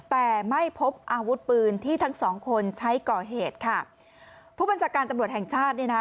แต่ไม่พบอาวุธปืนที่ทั้งสองคนใช้ก่อเหตุค่ะผู้บัญชาการตำรวจแห่งชาติเนี่ยนะ